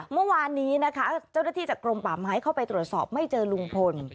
เมื่อวานนี้นะคะเจ้าหน้าที่จากกรมป่าไม้เข้าไปตรวจสอบไม่เจอลุงพล